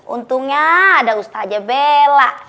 untungnya ada ustadznya bella